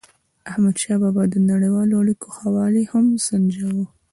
احمدشاه بابا به د نړیوالو اړیکو ښه والی هم سنجاوو.